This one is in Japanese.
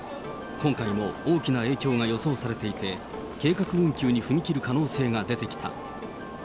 今回も大きな影響が予想されていて、計画運休に踏み切る可能性が出てきた。